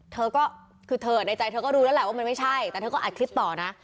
เธอก็คือเธอในใจเธอก็รู้แล้วแหละว่ามันไม่ใช่แต่เธอก็อัดคลิปต่อนะ